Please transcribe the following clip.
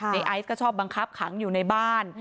ไอซ์ก็ชอบบังคับขังอยู่ในบ้าน